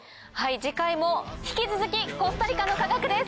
次回も引き続きコスタリカの科学です！